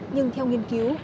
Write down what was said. nhưng theo nghiên cứu